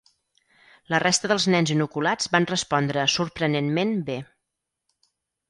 La resta dels nens inoculats van respondre sorprenentment bé.